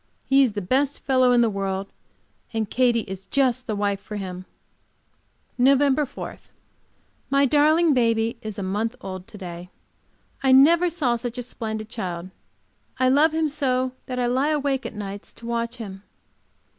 He is the best fellow in the world, and Katy is just the wife for him. Nov. 4. My darling baby is a month old to day. I never saw such a splendid child. I love him so that I lie awake nights to watch him.